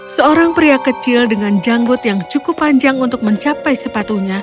seorang pria kecil dengan janggut yang cukup panjang untuk mencapai sepatunya